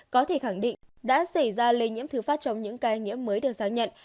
có thể khẳng định đã xảy ra lây nhiễm thứ phát trong những ca nhiễm mới được xác nhận